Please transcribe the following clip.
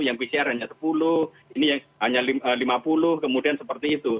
yang pcr hanya sepuluh ini yang hanya lima puluh kemudian seperti itu